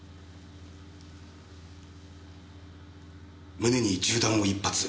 胸に銃弾を１発。